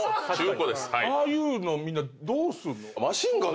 ああいうのみんなどうすんの？